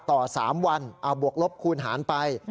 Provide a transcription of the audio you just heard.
ต่อสามวันบวกลบคูณหารไป